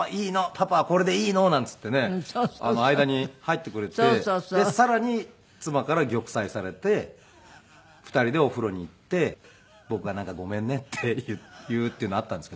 パパはこれでいいの！」なんて言ってね間に入ってくれてさらに妻から玉砕されて２人でお風呂に行って僕が「なんかごめんね」って言うっていうのがあったんですけど。